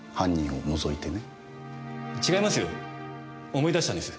思い出したんです。